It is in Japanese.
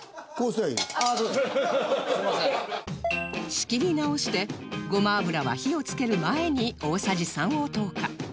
仕切り直してごま油は火をつける前に大さじ３を投下